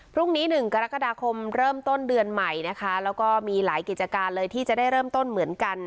พรุ่งนี้หนึ่งกรกฎาคมเริ่มต้นเดือนใหม่นะคะแล้วก็มีหลายกิจการเลยที่จะได้เริ่มต้นเหมือนกัน